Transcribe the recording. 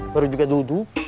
baru juga duduk